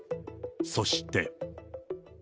そして。